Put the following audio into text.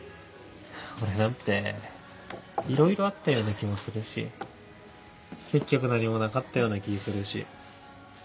俺なんていろいろあったような気もするし結局何もなかったような気するし。